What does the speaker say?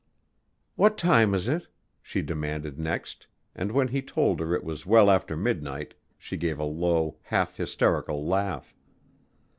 "What time is it?" she demanded next and when he told her it was well after midnight she gave a low half hysterical laugh.